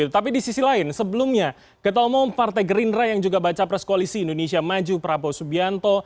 tapi di sisi lain sebelumnya ketua umum partai gerindra yang juga baca pres koalisi indonesia maju prabowo subianto